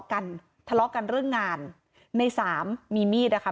กันทะเลาะกันเรื่องงานในสามมีมีดนะคะ